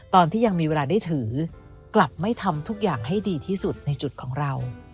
ตอนที่ยังมีเวลาได้ถือกลับไม่ทำทุกอย่างให้ดีที่สุดในจุดของเรา